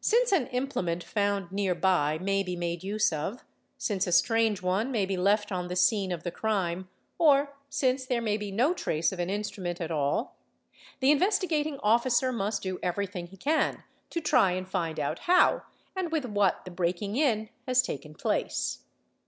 Since an implement found near by may be made use of, since a strange one may be left on the scene of the crime, or since there may be no _ trace of an instrument at all, the Investigating Officer must do every thing he can to try and find out how and with what the breaking in has taken place.